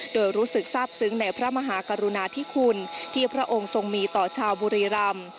โดยรู้สึกทราบซึ้งในพระมหากรุณาธิคุณที่พระองค์ทรงมีต่อชาวบุรีรำ